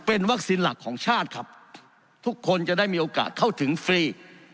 เป็นวัคซีนหลักของชาติครับทุกคนจะได้มีโอกาสเข้าถึงฟรี